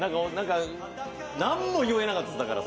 何も言えなかったです。